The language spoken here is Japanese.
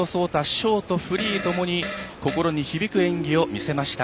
ショート、フリーともに心に響く演技を見せました。